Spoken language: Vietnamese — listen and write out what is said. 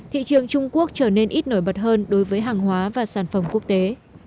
thị trường trung quốc trở nên ít nổi bật hơn đối với hàng hóa và sản phẩm quốc tế